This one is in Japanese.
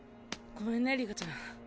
ごめんね里香ちゃん。